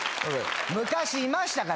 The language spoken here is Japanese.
昔いましたから。